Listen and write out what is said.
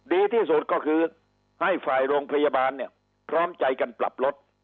ดีที่สุดก็คือให้ฝ่ายโรงพยาบาลเนี่ยพร้อมใจกันปรับลด